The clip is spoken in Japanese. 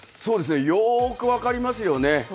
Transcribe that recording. よく分かりますよね。